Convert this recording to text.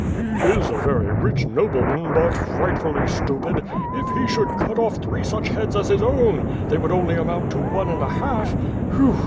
"He is a very rich nobleman, but frightfully stupid; if he should cut off three such heads as his own, they would only amount to one and a half.